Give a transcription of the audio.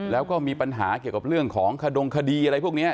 แล้วก็มีปัญหาเกี่ยวกับเรื่องของขดงคดีอะไรพวกนี้